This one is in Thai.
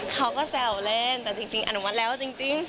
เขาก็แซวเล่นแต่จริงอนุมัติแล้วจริง